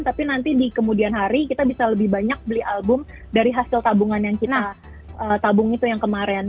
tapi nanti di kemudian hari kita bisa lebih banyak beli album dari hasil tabungan yang kita tabung itu yang kemarin